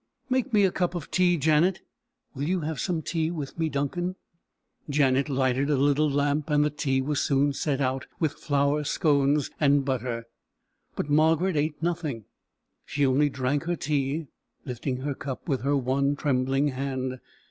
"Make me a cup of tea, Janet. Will you have some tea with me, Duncan?" Janet lighted a little lamp, and the tea was soon set out, with "flour scons" and butter. But Margaret ate nothing; she only drank her tea, lifting her cup with her one trembling hand.